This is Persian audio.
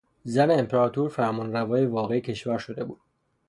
زن امپراطور فرمانروای واقعی کشور شده بود.